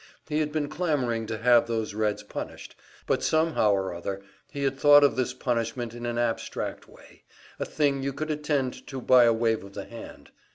He had been clamoring to have those Reds punished; but somehow or other he had thought of this punishment in an abstract way, a thing you could attend to by a wave of the hand.